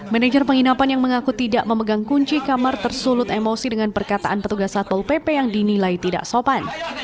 manajer penginapan yang mengaku tidak memegang kunci kamar tersulut emosi dengan perkataan petugas satpol pp yang dinilai tidak sopan